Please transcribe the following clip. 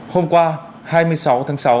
hôm qua hai mươi sáu tháng sáu